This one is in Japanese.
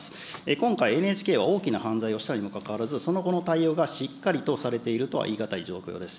今回、ＮＨＫは大きな犯罪をしたにもかかわらず、その後の対応がしっかりとされているとはいい難い状況です。